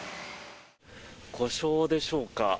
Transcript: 故障でしょうか。